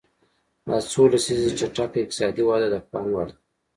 دا څو لسیزې چټکه اقتصادي وده د پام وړ ده.